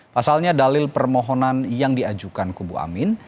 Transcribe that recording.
pasalnya dalil permohonan yang diajukan kubu amin